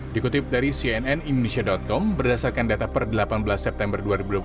dikutip dari cnn indonesia com berdasarkan data per delapan belas september dua ribu dua puluh satu